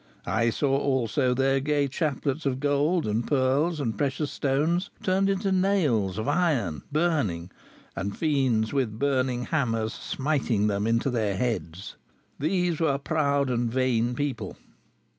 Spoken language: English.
I saw also their gay chaplets of gold and pearls and precious stones turned into nails of iron, burning, and fiends with burning hammers smiting them into their heads." These were proud and vain people.